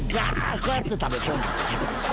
こうやって食べとんねん。